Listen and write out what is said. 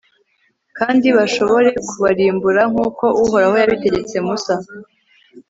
kandi bashobore kubarimbura nk'uko uhoraho yabitegetse musa